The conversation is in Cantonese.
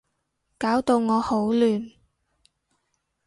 搞到我好亂